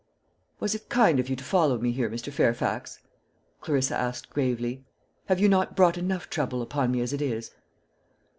"Was it kind of you to follow me here, Mr. Fairfax?" Clarissa asked gravely. "Have you not brought enough trouble upon me as it is?"